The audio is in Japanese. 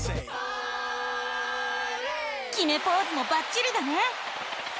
きめポーズもバッチリだね！